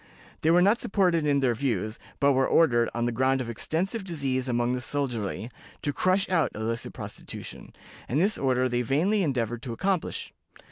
They were not supported in their views, but were ordered, on the ground of extensive disease among the soldiery, to "crush out" the illicit prostitution, and this order they vainly endeavored to accomplish.